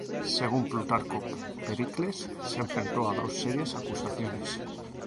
Según Plutarco, Pericles se enfrentó a dos serias acusaciones.